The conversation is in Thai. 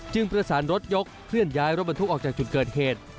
ประสานรถยกเคลื่อนย้ายรถบรรทุกออกจากจุดเกิดเหตุ